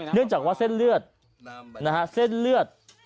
เนื่องจากว่าเส้นเลือด